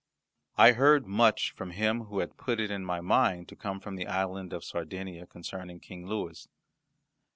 I heard much from him who had put it in my mind to come from the island of Sardinia concerning King Louis.